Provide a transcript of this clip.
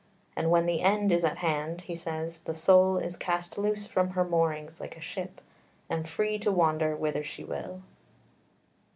And when the end is at hand," he says, "the soul is cast loose from her moorings like a ship, and free to wander whither she will."